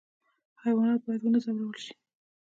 حیوانات باید ونه ځورول شي